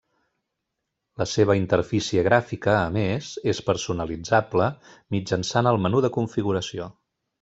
La seva interfície gràfica, a més, és personalitzable mitjançant el menú de configuració.